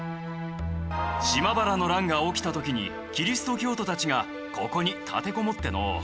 島原の乱が起きた時にキリスト教徒たちがここに立てこもってのう。